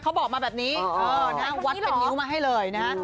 ได้เขาเจอวัดเป็นนิ้วมาให้เลยนะ